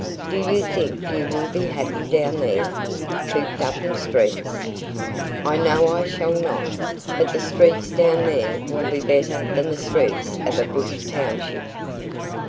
"Do you think you will be happy down there, cooped up in streets?" "I know I shall not. But the streets down there will be better than the streets of a bush township."